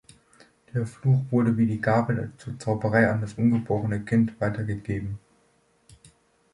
Der Fluch wurde, wie die Gabe zur Zauberei, an das ungeborene Kind weitergegeben.